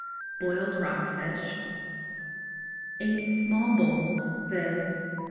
Boiled Rock Fish 8 small bowls, viz.